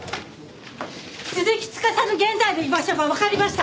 鈴木司の現在の居場所がわかりました！